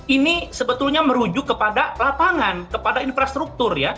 ini sebetulnya merujuk kepada lapangan kepada infrastruktur ya